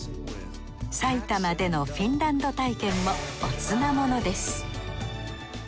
さいたまでのフィンランド体験もおつなものです